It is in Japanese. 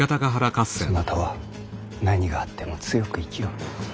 そなたは何があっても強く生きよ。